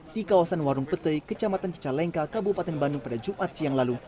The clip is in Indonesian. di kawasan warung pete kecamatan cicalengka kabupaten bandung pada jumat siang lalu